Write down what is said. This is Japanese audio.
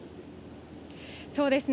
そうですね。